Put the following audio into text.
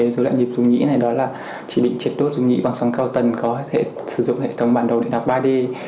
dụ đoạn nhịp dung nghĩ này đó là chỉ định triệt đốt dung nghĩ bằng sóng cao tần có thể sử dụng hệ thống bản đồ điện học ba d